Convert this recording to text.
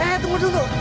eh tunggu dulu